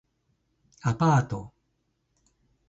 アパート